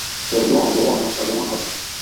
خیرلو آں بوباں نام شاہ زمان آشو